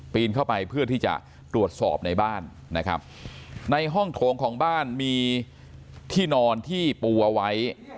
เข้าไปเพื่อที่จะตรวจสอบในบ้านนะครับในห้องโถงของบ้านมีที่นอนที่ปูเอาไว้